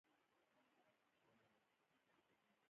ډاکټر یاورسکي د خپل کتاب په پای کې لیکي.